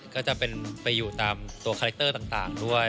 ก็จะเป็นไปอยู่ตามตัวคาแรคเตอร์ต่างด้วย